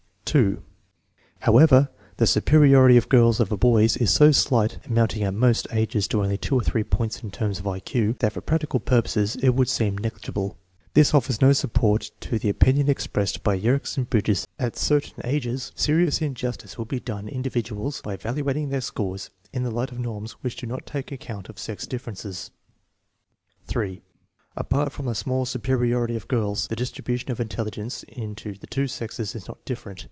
1 2. However, the superiority of girls over boys is so slight (amounting at most ages to only 2 to 3 points in terms of I Q) that for practical purposes it would seem negligi ble. This offers no support to the opinion expressed by Ycrkcs and Bridges that " at certain ages serious injus tice will be done individuals by evaluating their scores in the light of norms which do not take account of sex differences." 3. Apart from the small superiority of girls, the dis tribution of intelligence in the two sexes is not different.